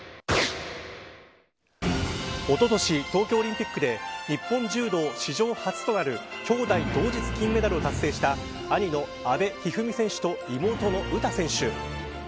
おととし、東京オリンピックで日本柔道史上初となるきょうだい同時金メダルを達成した兄の阿部一二三選手と妹の詩選手。